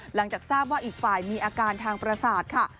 หลังจากทราบว่าอีกฝ่ายมีอาการทางประสาทค่ะ